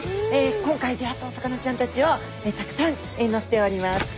今回出会ったお魚ちゃんたちをたくさん載せております。